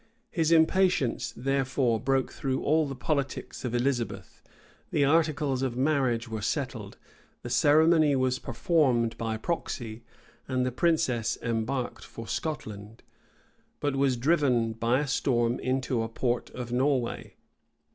His impatience, therefore, broke through all the politics of Elizabeth: the articles of marriage were settled; the ceremony was performed by proxy; and the princess embarked for Scotland; but was driven by a storm into a port of Norway.